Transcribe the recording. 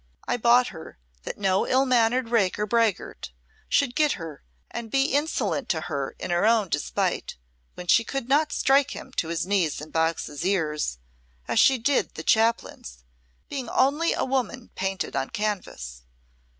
"I bought her that no ill mannered rake or braggart should get her and be insolent to her in her own despite when she could not strike him to his knees and box his ears, as she did the Chaplain's being only a woman painted on canvas."